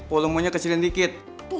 polumenya kecilin dikit